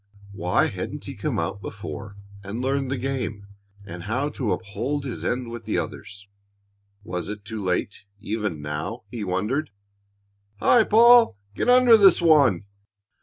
Why hadn't he come out before and learned the game and how to uphold his end with the others? Was it too late even now? he wondered. "Hi, Paul! Get under this one!"